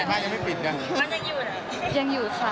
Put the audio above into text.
บ้านยังอยู่ไหน